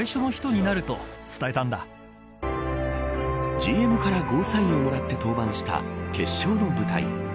ＧＭからゴーサインをもらって登板した決勝の舞台。